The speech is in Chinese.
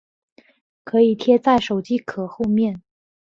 可以贴在手机壳后面